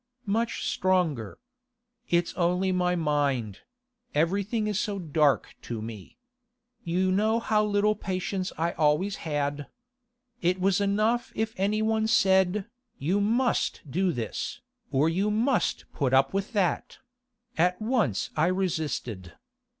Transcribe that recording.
'Much stronger. It's only my mind; everything is so dark to me. You know how little patience I always had. It was enough if any one said, 'You must do this,' or 'You must put up with that'—at once I resisted.